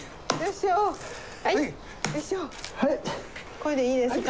これでいいですか？